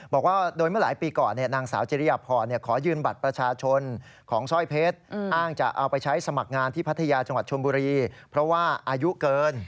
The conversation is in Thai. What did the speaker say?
บอกว่าโดยเมื่อหลายปีก่อนนางสาวจิริยพรขอยืนบัตรประชาชนของสร้อยเพชรอ้างจะเอาไปใช้สมัครงานที่พัทยาจังหวัดชนบุรีเพราะว่าอายุเกิน